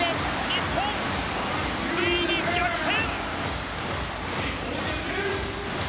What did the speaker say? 日本、ついに逆転。